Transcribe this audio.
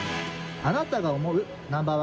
あなたが思うＮｏ．１